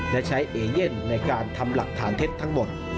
และใช้เอเย่นในการทำหลักฐานเท็จทั้งหมด